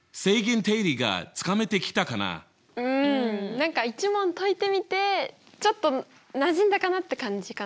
何か１問解いてみてちょっとなじんだかなって感じかな。